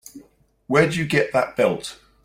Where'd you get that belt?